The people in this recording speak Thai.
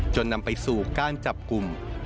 นำไปสู่การจับกลุ่ม